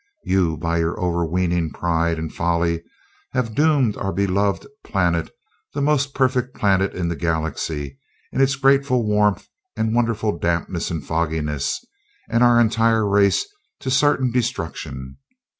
You by your overweening pride and folly have doomed our beloved planet the most perfect planet in the Galaxy in its grateful warmth and wonderful dampness and fogginess and our entire race to certain destruction.